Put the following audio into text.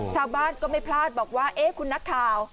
ชาวบ้านก็ไม่พลาดบอกว่าเอ๊ะคุณนักข่าว